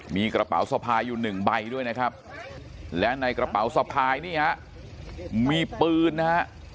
มีกระเป๋าสะพายอยู่หนึ่งใบด้วยนะครับและในกระเป๋าสะพายนี่ฮะมีปืนนะฮะ